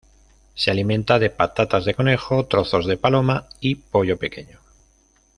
Se alimenta de: patas de conejo, trozos de paloma y pollo pequeño.